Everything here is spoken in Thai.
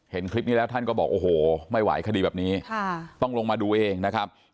เห็นคลิปนี้แล้วท่านก็บอกโอ้โหไม่ไหวคดีแบบนี้ต้องลงมาดูเองนะครับ